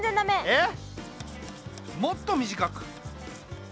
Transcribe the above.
えっ？